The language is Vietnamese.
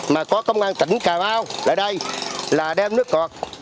mà có công an tỉnh cà mau lại đây là đem nước